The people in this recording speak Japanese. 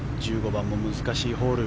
１５番も難しいホール